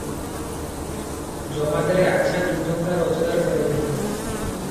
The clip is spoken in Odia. ଜମାଦାରେ ଆଚ୍ଛା ଦୁଇଟଙ୍କା ରୋଜଗାର କରିଥିଲେ ।